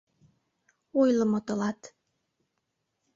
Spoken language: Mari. — Ойлымо тылат...